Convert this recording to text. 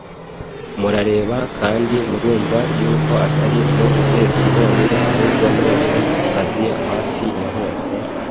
Murareba kandi murumva yuko atari mu Efeso honyine ahubwo no mu Asiya hafi ya hose,